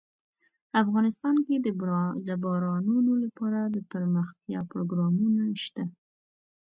افغانستان کې د بارانونو لپاره دپرمختیا پروګرامونه شته.